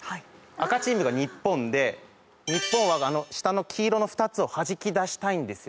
赤チームが日本で日本は下の黄色の２つをはじき出したいんですよね」